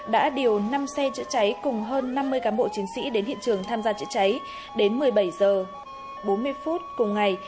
đã điều năm xe chữa cháy cùng hơn năm mươi cán bộ chiến sĩ đến hiện trường tham gia chữa cháy đến một mươi bảy h bốn mươi phút cùng ngày